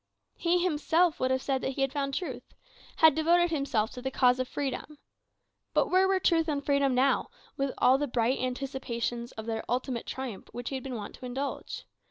He himself would have said that he had found Truth had devoted himself to the cause of Freedom. But where were truth and freedom now, with all the bright anticipations of their ultimate triumph which he had been wont to indulge?